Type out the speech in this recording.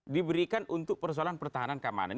diberikan untuk persoalan pertahanan keamanan